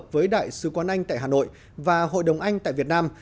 với đại sứ quán anh tại hà nội và hội đồng anh tại việt nam